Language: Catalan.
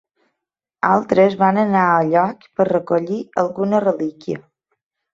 Altres van anar a lloc per recollir alguna relíquia.